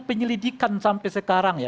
penyelidikan sampai sekarang ya